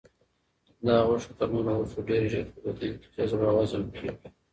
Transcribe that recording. دا غوښه تر نورو غوښو ډېر ژر په بدن کې جذب او هضم کیږي.